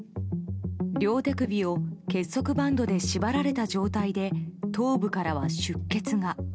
両手首を結束バンドで縛られた状態で頭部からは出血が。